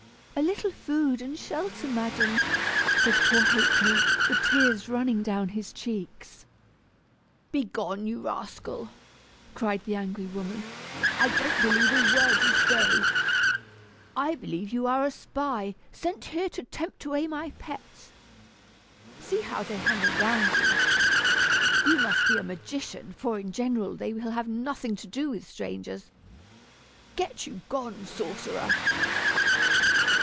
"A little food and shelter, madam," said poor Ha'penny, the tears running down his cheeks. "Begone, you rascal!" cried the angry woman; "I don't believe a word you say. I believe you are a spy sent here to tempt away my pets. See how they hang around you. You must be a magician, for in general they will have nothing to do with strangers. Get you gone, sorcerer!"